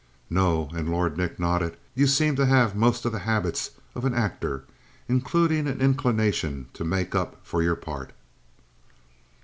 "No," and Lord Nick nodded, "you seem to have most of the habits of an actor including an inclination to make up for your part."